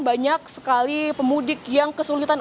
banyak sekali pemudik yang kesulitan